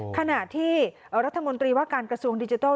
ขณะที่รัฐมนตรีว่าการกระทรวงดิจิทัล